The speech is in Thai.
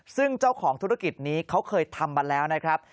ซึ่งเจ้าของธุรกิจนี้เขาเคยทำมาแล้วนะครับ